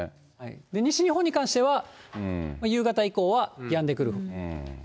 西日本に関しては、夕方以降はやんでくる。